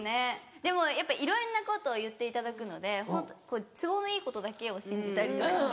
でもやっぱいろんなことを言っていただくので都合のいいことだけを信じたりとか。